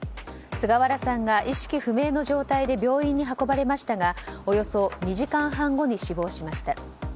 菅原さんが意識不明の重体で病院に運ばれましたがおよそ２時間半後に死亡しました。